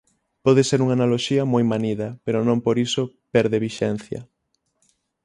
Pode ser unha analoxía moi manida, pero non por iso perde vixencia.